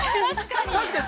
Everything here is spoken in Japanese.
◆確かに。